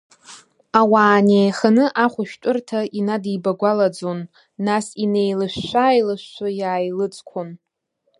Ауаа неиханы ахәышәтәырҭа инадибагәалаӡон, нас инеилышәшәа-ааилышәшәо, иааилыҵқәон.